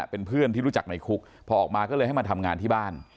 เป็นเพื่อนที่รู้จักในคุกพอออกมาก็เลยให้มาทำงานที่บ้าน